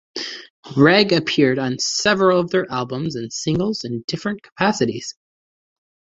Reg appeared on several of their albums and singles in different capacities.